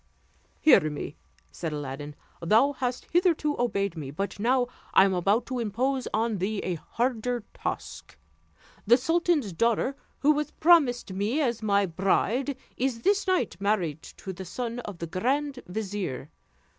"Hear me," said Aladdin; "thou hast hitherto obeyed me, but now I am about to impose on thee a harder task. The sultan's daughter, who was promised me as my bride, is this night married to the son of the grand vizier.